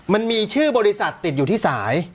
มันมีชื่อบริษัทติดอยู่ที่สาย